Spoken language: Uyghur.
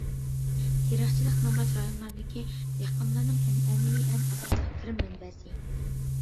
تېرىقچىلىق نامرات رايونلاردىكى دېھقانلارنىڭ ئەنئەنىۋى ئەڭ ئاساسلىق كىرىم مەنبەسى.